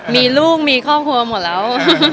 มีลูกมีครอบครัวหมดแล้ว